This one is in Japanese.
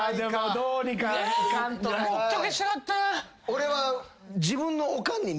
俺は。